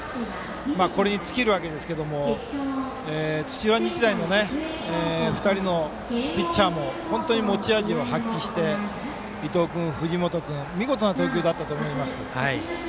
これに尽きるわけですけれども土浦日大の２人のピッチャーも本当に持ち味を発揮して伊藤君、藤本君見事な投球だったと思います。